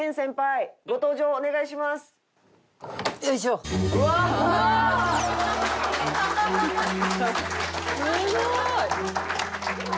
すごい！